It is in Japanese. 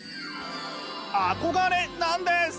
「憧れ」なんです。